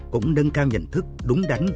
cũng nâng cao nhận thức đúng đắn